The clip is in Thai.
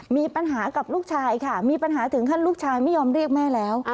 มีปัญหากับลูกชายค่ะมีปัญหาถึงขั้นลูกชายไม่ยอมเรียกแม่แล้ว